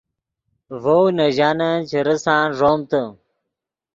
ڤؤ نے ژانن چے ریسان ݱومتے